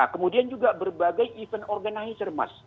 kemudian juga berbagai event organizer mas